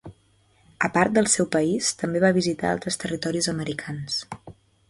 A part del seu país, també va visitar altres territoris americans.